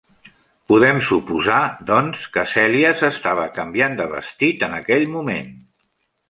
Podem suposar, doncs, que Celia s'estava canviant de vestit en aquell moment.